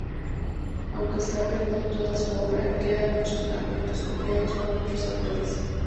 Aunque se ha perdido toda su obra, quedan muchos fragmentos copiados por otros autores.